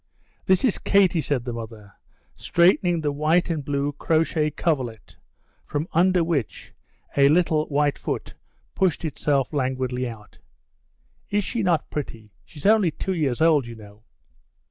"This is Katie," said the mother, straightening the white and blue crochet coverlet, from under which a little white foot pushed itself languidly out. "Is she not pretty? She's only two years old, you know."